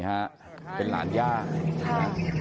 แหล่านย่าค่ะ